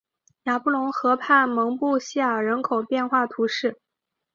雅布龙河畔蒙布谢尔人口变化图示